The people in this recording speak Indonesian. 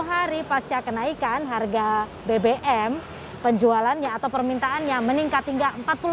sepuluh hari pasca kenaikan harga bbm penjualannya atau permintaannya meningkat hingga empat puluh lima